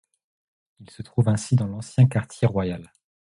Il se trouve ainsi dans l'ancien quartier royal.